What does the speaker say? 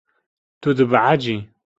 Tu dibehecî.